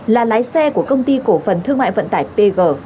là lái xe của công ty cổ phần thương mại vận tải pg